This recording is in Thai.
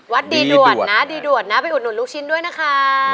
ดีด่วนนะดีด่วนนะไปอุดหนุนลูกชิ้นด้วยนะคะ